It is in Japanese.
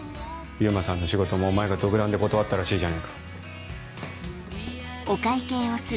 勇馬さんの仕事もお前が独断で断ったらしいじゃないか。